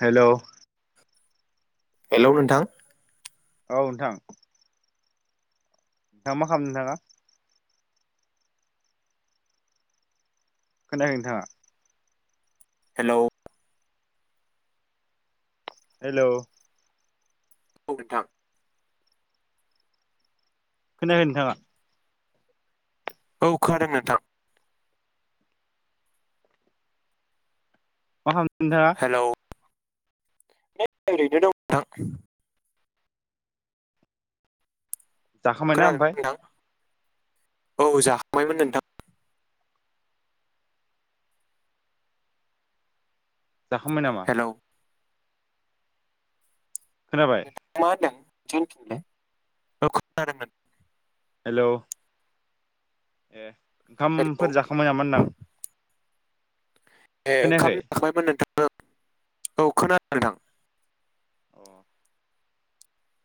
हेल' हेल' नोंथां औ नोंथां दा मा खालामदों नोंथाङा खोनायाखै नोंथां आ हेल' हेल' आऔ नोंथां [inaudible] खोनायाखै नोंथाङा औ खोनादों नोंथां मा खालामदों [inaudible] नोंथाङा [unintelligible] जाखांबायना खोनादों ओमफ्राय ना नोंथां? औ जाखांबायमोन उम नोंथां। जाखांबाय नामा? हेलौ खोनाबाय म दां [inaudible] जनिल [inaudible] हेलौ ए हेलौ ओंखामफोर जाखांबाय नामा होनदां? ए खोनायाखै ओंखाम जाखांबायमोन नोंथां? औ खोनादों नोंथां। अ [inaudible]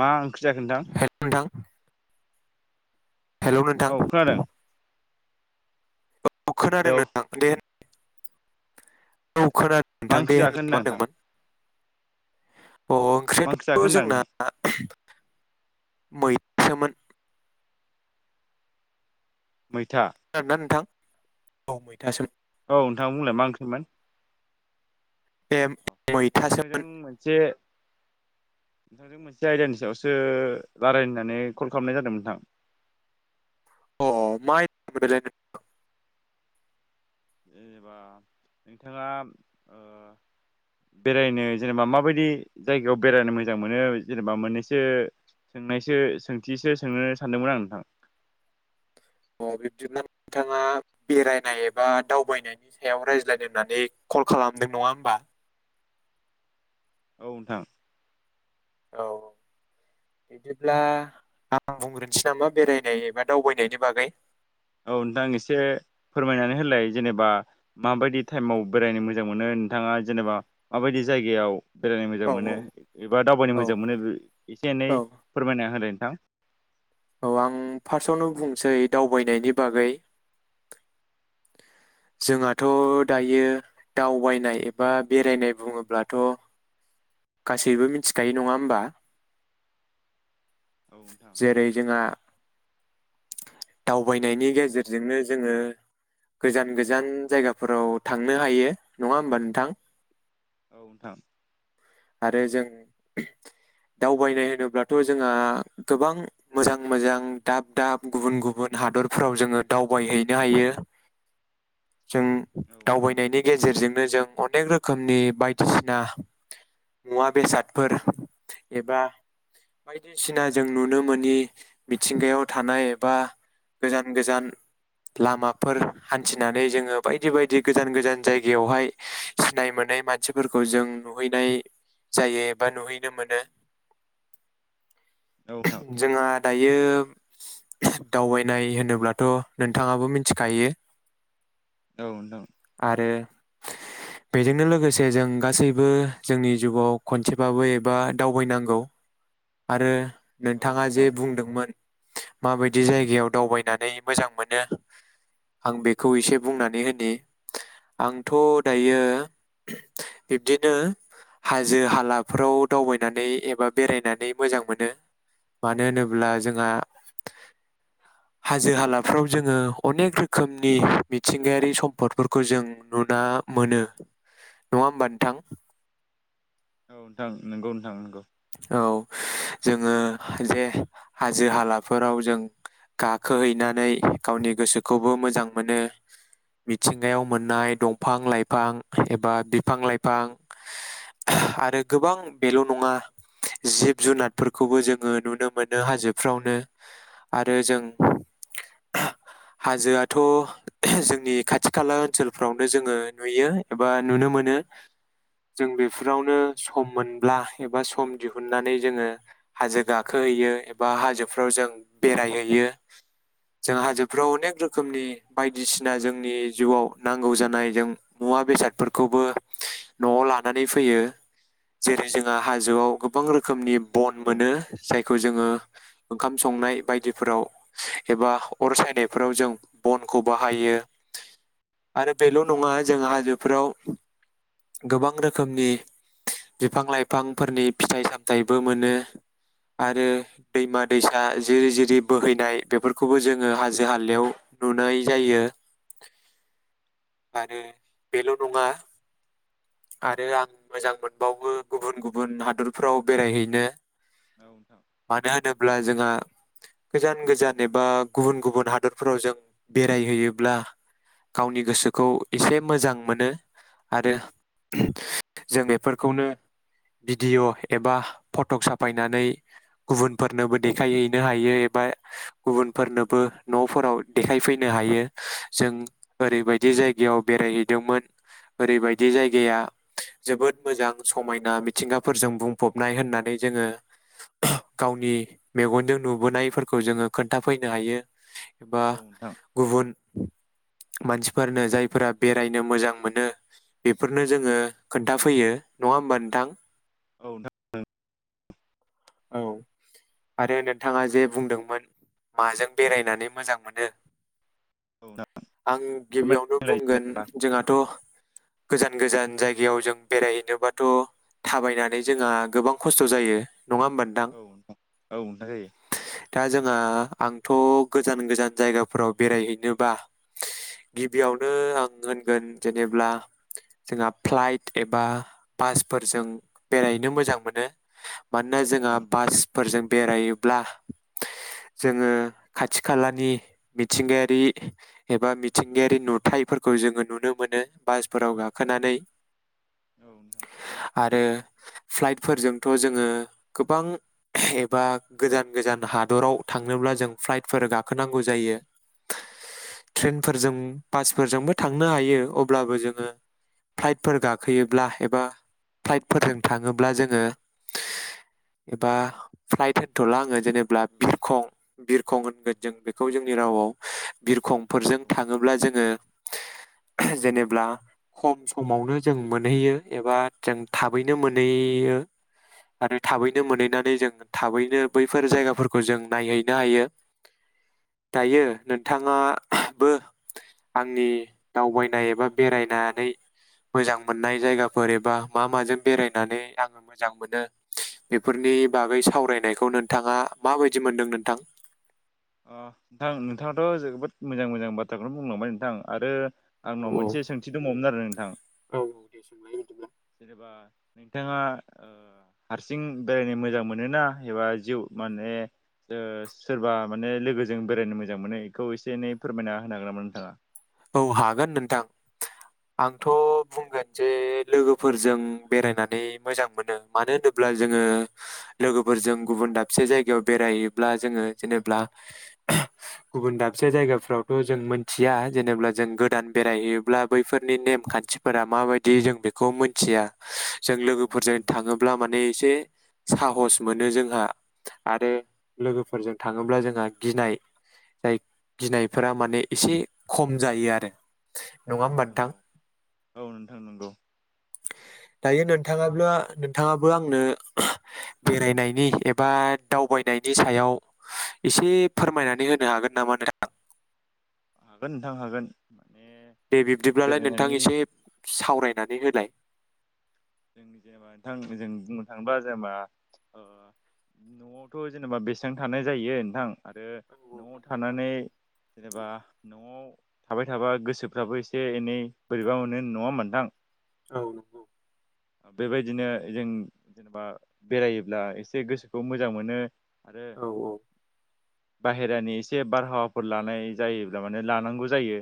मा ओंख्रि जाखो नोंथां? थां हेल' औ नोंथां। खोनादों अ खोनादों हेलौ नोंथां दे औ मा खोनादोंथां ओंख्रि दे जाखो होनलाय होनदां मा नोंथां होनदोंमोन। अ मा ओंख्रियाथ ओंख्रि जाखो होनदां जोंना। नोंथां मैथोमोन। मैथा खोनादों ना नोंथां? औ मैथासो औ नोंथां बुंलाय मलाय मा ओंख्रिमोन? ए नोंथांजों मैथासोमोन मोनसे नोंथांजों मोनसे आयदानि सायावसो रायलायनानै कल खालामनाय जादों नोंथां। अ माइ जेनेबा नोंथाङा बेरायनो जेनेबा माबायदि जायगायाव बेरायनो मोजां मोनो जेनेबा मोननैसो सोंनायसो सोंथिसो सोंनो सानदोंमोन आं नोंथां। अ बिब्दिनो नोंथाङा बेरायनाय एबा दावबायनायनि सायाव रायज्लायदों होननानै कल खालामदों, नङा होमबा? गमथां औ बिदिब्ला आं बुंग्रोनोसै नामा बेरायनाय एबा दावबायनायनि बागै औ नोंथां एसे फोरमायनानै होलाय जेनेबा माबायदि टाइमाव बेरायनो मोजां मोनो नोंथाङा जेनेबा माबायदि जायगायाव। बेरायनो मोजां औ मोनो एबा दावबायनो औ मोजां मोनो एसे एनै औ फोरमायना होलाय। ह औ आं फार्स्टआवनो बुंसै द आैनायनि बागै जोंहाथ' दायो दावबायनाय एबा बेरायनाय बुङोब्लाथ'। गासैबो मिथिखायो नङा होमबा? नोंथां जेरै जोंहा दावबायनायनि गेजेरजोंनो जोङो गोजान गोजान जायगाफोराव थांनो हायो, नङा होमबा नोंथां? औ नोंथां। आरो जों दावबायनाय होनोब्लाथ' जोंहा गोबां मोजां मोजां, दाब दाब, गुबुन गुबुन हादरफोराव जोङो दावबायहैनो हायो। जों दावबायनायनि गेजेरजोंनो जों अनेक रो खोमनि बायदिसिना मुवा बेसादफोर एबा बायदिसिना जों नुनो मोनि मिथिंगायाव थानाय एबा गोजान गोजान लामाफोर हान्थिनानै जोङो बायदि बायदि गोजान गोजान जायगायावहाय सिनाय मोनै मानसिफोरखौ जों नुहैनाय जायो एबा नुहैनो मोनो। औ नोंथां औ नोंथां जोंहा दायो दावबायनाय होनोब्लाथ' नोंथाङाबो मिनथिखायो। औ नोंथां औ आरो बेजोंनो लोगोसे, जों गासैबो जोंनि जिवाव खनसेबाबो एबा दावबायनांगौ आरो नोंथाङा जे नोंथां बुंदोंमोन माबायदि जायगायाव दावबायनानै मोजां मोनो, आं बेखौ एसे बुंनानै होनि। आंथ' दायो बिब्दिनो हाजो हालाफोराव दावबायनानै एबा बेरायनानै मोजां मोनो। मानो होनोब्ला जोंहा हाजो हालाफ्राव जोङो अनेक रोखोमनि मिथिंगायारि सम्फदफोरखौ जों नुना मोनो, नङा होमबा नोंथां? औ नोंथां, नोंगौ नोंथां नोंगौ। औ जोङो जे हाजो हालाफोराव जों गाखोहैनानै गावनि गोसोखौबो मोजां मोनो। मिथिंगायाव मोननाय दंफां लाइफां एबा बिफां लाइफां आरो गोबां बेल' नङा। जिब जुनादफोरखौबो जोङो नुनो मोनो हाजोफ्रावनो। आरो जों हाजोआथ' जोंनि खाथि खाला ओनसोलफ्रावनो जोङो नुयो एबा नुनो मोनो। जों बेफोरावनो सम मोनब्ला ए बा सम दिहुननानै जोङो हाजो गाखोहैयो एबा हाजोफ्राव जों बेरायहैयो। जों हाजोफ्राव अनेक रोखोमनि बायदिसिना जोंनि जिउआव नांगौ जानाय जों मुवा बेसादफोरखौबो न'आव लानानै फैयो। जेरै जोङा हा जोआव गोबां रोखोमनि बन औ मोनो, नोंथां जायखौ जोङो ओंखाम संनाय बायदिफोराव एबा अर सायनायफोराव जों बनखौ बाहायो आरो बेल' नङा जों हाजोफोराव गोबां रोखोमनि बिफां लाइफां फोरनि फिथाइ सामथाइबो मोनो आरो दैमा दैसा जिरि जिरि बोहैनाय बेफोरखौबो जोङो हाजो हालायाव नुनाय जायो आरो बेल' नङा आरो आं मोजां मोनबावो गुबुन गु बुन हादरफोराव बेरायहैनो। औ नोंथां मानो होनोब्ला जोंहा गोजान गोजान एबा गुबुन गुबुन हादरफोराव जों बेरायहैयोब्ला, गावनि गोसोखौ एसे मोजां मोनो आरो जों एफोरखौनो भिडिय' एबा फट'ग साफायनानै गुबुनफोरनोबो देखायहैनो हायो एबा गुबुनफोरनोबो न'फोराव देखायफैनो हायो। जों ओरैबायदि जायगायाव बेरायहैदोंमोन, ओरैबायदि जायगाया जोबोद मोजां समायना मि मिथिंगाफोरजों बुंफबनाय होननानै जोङो गावनि मेगनजों नुबोनायफोरखौ जोङो खोन्थाफैनो हायो। एबा औ नोंथां गुबुन मानसिफोरनो जायफोरा बेरायनो मोजां मोनो बेफोरनो जोङो खोन्थाफैयो, नङा होमबा नोंथां? औ नों [unintelligible] औ। आरो औ नोंथाङा जे बुंदोंमोन माजों बेरायनानै मोजां मोनो? औ नोंथां आं गिबियावनो फोरमायलाय बुंगोन जेनेबा जोंहाथ' गोजान गोजान जाय गायाव जों बेरायहैनोबाथ' थाबायनानै जोङा गोबां खस्थ' जायो। नङा होमबा औ नोंथां औ नोंथां जायो। दा जोङा आंथ' गोजान गोजान जायगाफोराव बेरायहैनोबा गिबियावनो आं होनगोन जेनेब्ला जोंहा फ्लाइट एबा बासफोरजों बेरायहैनो मोजां मोनो मानोना औ जोंहा नोंथां बासफोरजों बेरायोब्ला जोङो खाथि खालानि मिथिंगायारि एबा मिथिंगायारि नुथायाइफोरखौ जोङो नुनो मोनो बासफोराव गाखोनानै औ नोंथां। आरो फ्लाइटफोरजोंथ' जोङो गोबां एबा गोजान गोजान हादराव थांनोब्ला जों फ्लाइटफोर गाखोनांगौ जायो ट्रेनफोरजों बासफोरजोंबो थांनो हायो अब्लाबो जोङो फ्लाइटफोर गाखोयोब्ला एबा फ्लाइटफोरजों थाङोब्ला जोङो एबा फ्लाइट होनथ'ला आङो जेनेब्ला बिरखं बिरखं होनगोन जों बेखौ जोंनि रावाव औ बिरखंफोरजों नोंथां थाङोब्ला जोङो जेनेब्ला खम समावनो जों मोनहैयो एबा जों थाबैनो मोनहैयो आरो थाबैनो मोनहैनानै जों थाबैनो बैफोर जायगाफोरखौ जों नायहैनो हायो दायो नोंथाङाबो आंनि दावबायनाय एबा बेरायनानै मोजां मोननाय जायगाफोर एबा मा माजों बेरायनानै आङो मोजां मोनो बेफोरनि बागै सावरायनायखौ नोंथाङा माबायदि मोनदों नोंथां? अ नोंथां नोंथाङाथ' जोबोद मोजां मोजां बाथ्राखौनो बुंलांबाय नोंथां आरो औ आंनाव मोनसे सोंथि दंबावोमोन आरो नोंथां। औ दे सोंलाय बिदिब्ला जेनेबा नोंथाङा ओ हारसिं बेरायनो मोजां मोनो ना एबा जिउ माने ओ सोरबा माने लोगोजों बेरायनो मोजां मोनो बेखौ एसे एनै फोरमायना होनो हागोन नामा नोंथाङा? औ हागोन नोंथां। आंथ' बुंगोन जे लोगोफोरजों बेरायनानै मोजां मोनो मानो होनोब्ला जोङो लोगोफोरजों गुबुन दाबसे जायगायाव बेरायोब्ला जोङो जेनेब्ला गुबुन दाबसे जायगाफ्रावथ' जों मोनथिया जेनब्ला जों गोदान बेरायहैयोब्ला बैफोरनि नेम खान्थिफोरा माबायदि जों बेखौ मोनथिया जों अ औ नोंथां लोगोफोरजों नंगौ थाङोब्ला माने एसे साहस मोनो जोंहा आरो लोगोफोरजों थाङोब्ला जोंहा गिनाय जाय गिनायफोरा माने एसे खम जायो आरो नङा औ होमबा नोंथां औ औ नोंथां नंगौ। दायो नोंथाङाब्ला नोंथाङाबो आंनो बेरायनायनि एबा दावबायनायनि सायाव एसे फोरमायनानै होनो हागोन नामा नोंथां? हागोन नोंथां हागोन। माने दे बिब्दिब्लालाय नोंथां बेरायनायनि एसे सावरायनानै होलाय। जों जेनेबा नोंथां जों बुंनो थाङोबा जेनेबा ओ न'आवथ' जेनेबा बेसेबां थानाय जायो नोंथां आरो औ न'आव नंगौ नोंथां। थानानै जेनेबा न'आव थाबाय थाबा गोसोफ्राबो एसे एनै बोरैबा मोनो नङामोन नोंथां? औ नोंगौ। बेबायदिनो जों जेनेबा बेरायोब्ला एसे गोसोखौ मोजां मोनो आरो औ औ बाहेरानि एसे बारहावाफोर लानाय जायोब्ला माने लानांगौ जायो।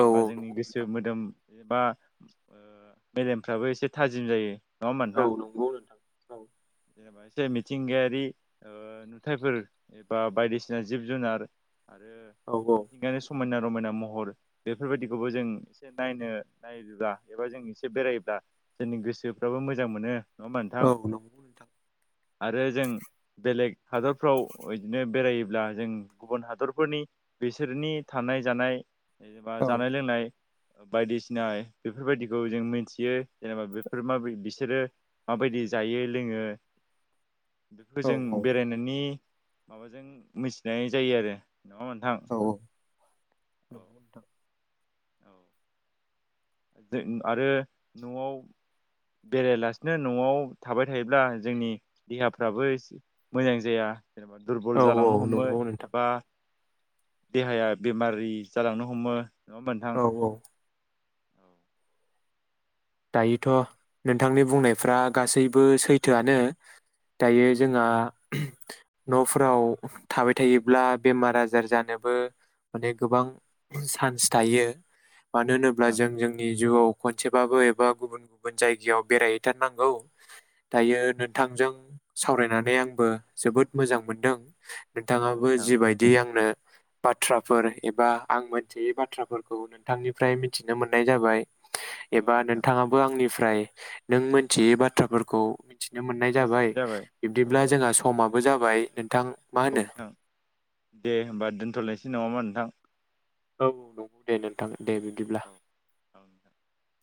औ जोंनि नंगौ गोसो नोंथां मोदोम एबा ओ मेलेमफ्राबो एसे थाजिम जायो। नङा होमबा औ नोंथां नंगौ नोंथां औ जेनेबा एसे मिथिंगायारि ओ नुथायफोर एबा बायदिसिना जिब जुनार आरो औ मिथिंगानि समायना रमायना महर बेफोरबायाददिखौबो जों एसे नायनो नायोब्ला एबा जों एसे बेरायोब्ला जोंनि गोसोफ्राबो मोजां मोनो। नङा होमबा औ नोंथां? नंगौ नोंथां आरो जों बेलेग हादरफ्राव बिदिनो बेरायोब्ला जों गुबुन हादरफोरनि बिसोरनि थानाय जानाय जेनेबा औ जानाय लोंनाय बायदिसिना बेफोरबायदिखौ जों मिथियो जेनेबा बेफोर माब बिसोरो माबायदि जायो लोङो [inaudible] बेखौ औ जों बेरायनायनि माबाजों मिथिनाय जायो आरो [inaudible] औ औ [inaudible] औ जों आरो न'आव बेरायलासिनो न'आव थाबाय थायोब्ला जोंनि देहाफ्राबो मोजां जाया जेनेबा दुरबल औ औ जालांनो हमो नंगौ नोंथां एबा देहाया बेमारि जालांनो हमो होमबा नोंथां? औ औ दायोथ' नोंथांनि बुंनायफ्रा गासैबो सैथोआनो दायो जोंहा न'फोराव थाबाय थायोब्ला बेमार आजार जानोबो माने गोबां चान्स थायो मानो औ होनोब्ला नोंथां जों जोंनि जिउाव कनसे बाबो बा गुबुन गुबुन जायगायाव बेरायहैथारनांगौ दायो औ नोंथांजों सावरायनानै आंबो जोबोद मोजां मोनदों औ नोंथाङाबो नोंथां जिबायदि आंनो बाथ्राफोर एबा आं मोनथियै बाथ्राफोरखौ नोंथांनिफ्राय मिथिनो मोननाय जाबाय औ एबा नोंथां नो बो आंनिफ्राय नों मोनथियै बाथ्राफोरखौ मिथिनो मोननाय जाबाय मिथिनाय औ बिब्दिब्ला जोंहा समाबो जाबाय नोंथां मा औ होनो नोंथां दे होमबा [inaudible] औ नंगौ दे नोंथां दे बिदिब्ला [inaudible]